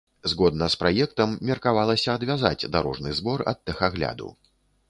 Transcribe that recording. Згодна з праектам, меркавалася адвязаць дарожны збор ад тэхагляду.